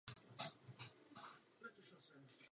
Toto podezření bylo již několikrát předmětem soudních jednání.